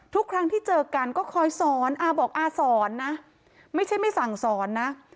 ทุกครั้งที่เจอกันก็คอยสอนอาบอกอาสอนนะไม่ใช่ไม่สั่งสอนนะ